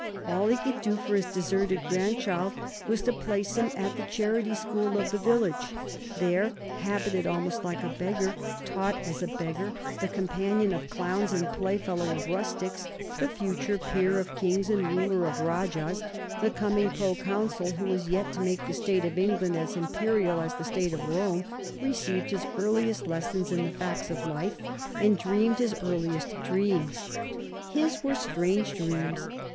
All he could do for his deserted grandchild was to place him at the charity school of the village. There, habited almost like a beggar, taught as a beggar, the companion of clowns and playfellow of rustics, the future peer of kings and ruler of rajahs, the coming pro consul who was yet to make the state of England as imperial as the state of Rome, received his earliest lessons in the facts of life, and dreamed his earliest dreams. His were strange dreams.